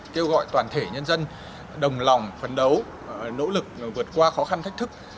kêu gọi toàn thể nhân dân đồng lòng phấn đấu nỗ lực vượt qua khó khăn thách thức